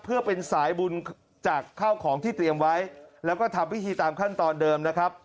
เพื่อเป็นสายบุญจากข้าวของที่เตรียมไว้แล้วก็ทำพิธีตามขั้นตอนเดิมนะครับ